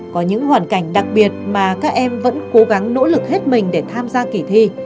có những hoàn cảnh đặc biệt mà các em vẫn cố gắng nỗ lực hết mình để tham gia kỳ thi